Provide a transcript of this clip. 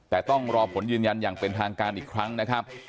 แต่ต้องรอผลยืนยันอย่างเป็นทางการอีกครั้งนะครับ